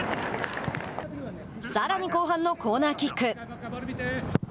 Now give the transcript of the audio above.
さらに後半のコーナーキック。